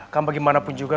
kamu bagaimanapun juga